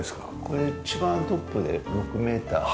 これ一番トップで６メーター。